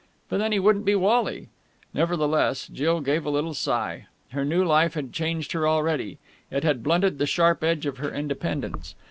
But then he wouldn't be Wally.... Nevertheless, Jill gave a little sigh. Her new life had changed her already. It had blunted the sharp edge of her independence.